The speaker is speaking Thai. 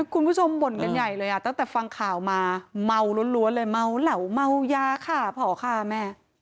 คุณผู้ชมบ่นกันใหญ่เลยอ่ะตั้งแต่ฟังข่าวมาเมาล้วนเลยเมาเหล่าเมายาค่ะพอค่ะแม่